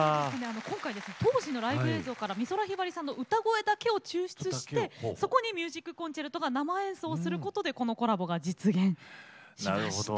今回ですね当時のライブ映像から美空ひばりさんの歌声だけを抽出してそこにｍｕｓｉｃｃｏｎｃｅｒｔｏが生演奏することでこのコラボが実現しました。